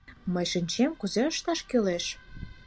Мый шинчем, кузе ышташ кӱлеш.